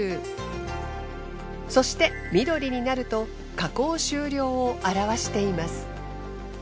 そして緑になると加工終了を表しています。